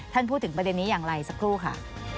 พูดถึงประเด็นนี้อย่างไรสักครู่ค่ะ